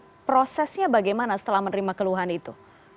selama ini diprosesnya bagaimana setelah menerima keluhan itu